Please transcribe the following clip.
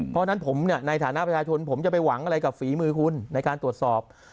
เพราะฉะนั้นผมในฐานะประชาชนผมจะไปหวังอะไรกับฝีมือคุณในการตรวจสอบ